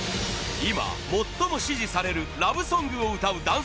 今、最も支持されるラブソングを歌う男性